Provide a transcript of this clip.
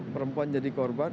perempuan jadi korban